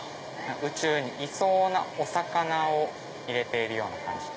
宇宙にいそうなお魚を入れているような感じに。